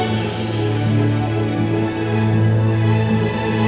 mereka udah siap